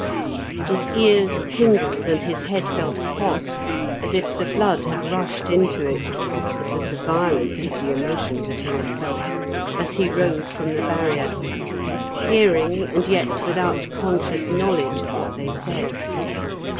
His ears tingled and his head felt hot, as if the blood had rushed into it (it was the violence of the emotion that he had felt), as he rode from the barrier, hearing, and yet without conscious knowledge of what they said.